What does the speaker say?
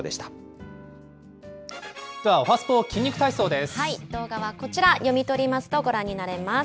では、動画はこちら、読み取りますと、ご覧になれます。